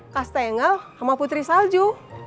kas tengel sama putri salju